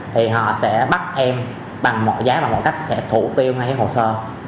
thì họ sẽ bắt em bằng mọi giá và mọi cách sẽ thủ tiêu ngay cái hồ sơ